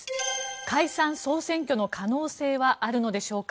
解散・総選挙の可能性はあるのでしょうか。